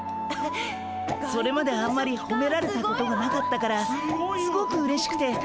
それまであんまりほめられたことがなかったからすごくうれしくて。